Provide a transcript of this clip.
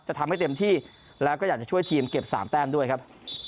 ทำให้เต็มที่แล้วก็อยากจะช่วยทีมเก็บ๓แต้มด้วยครับ